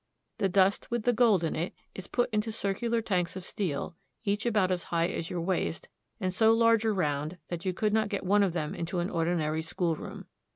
The dust with the gold in it is put into circular tanks of steel, each about as high as your waist and so large around that you could not get one of them into an ordinary schoolroom.